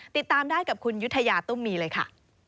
ติดตามได้กับคุณยุธยาตุ้มมีเลยค่ะ